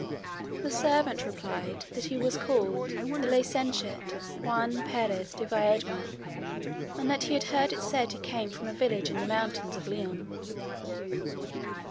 The servant replied that he was called the Licentiate Juan Perez de Viedma, and that he had heard it said he came from a village in the mountains of Leon.